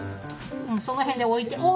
その辺で置いて。